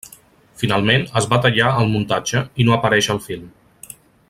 Finalment, es va tallar al muntatge i no apareix al film.